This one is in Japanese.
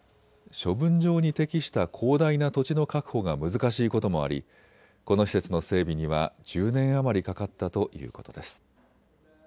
処分場に適した広大な土地の確保が難しいこともありこの施設の整備には１０年余りかかったということです。